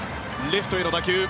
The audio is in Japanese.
レフトへの打球。